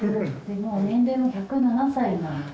もう年齢も１０７歳なので。